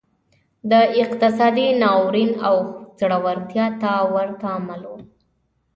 دا اقتصادي ناورین او ځوړتیا ته ورته عمل و.